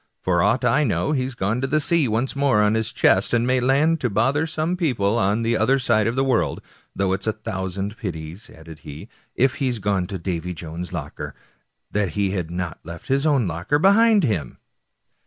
For aught I know he has gone to sea once more on his chest, and may land to bother some people on the other side of the world ; though it's a thousand pities," added he, " if he has gone to Davy Jones's ^ locker, that he had not left his own locker ^ behind him."